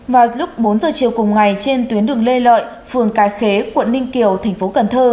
vào lúc bốn giờ chiều cùng ngày trên tuyến đường lê lợi phường cái khế quận ninh kiều tp cn